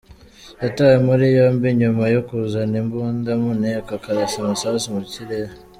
Yatawe muri yombi nyuma yo kuzana imbunda mu nteko akarasa amasasu mu kirere.